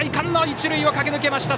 一塁を駆け抜けた！